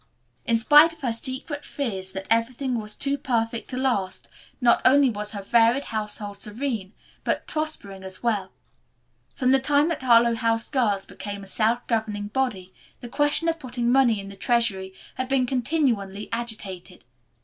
In spite of her secret fears that everything was too perfect to last, not only was her varied household serene, but prospering as well. From the time the Harlowe House girls became a self governing body the question of putting money in the treasury had been continually agitated.